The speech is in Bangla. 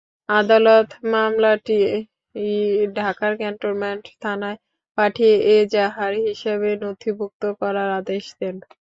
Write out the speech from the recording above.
আদালত মামলাটি ঢাকার ক্যান্টনমেন্ট থানায় পাঠিয়ে এজাহার হিসেবে নথিভুক্ত করার আদেশ দেন।